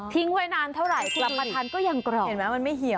ทิ้งไว้นานเท่าไหร่กลับมาทันก็ยังกรอบ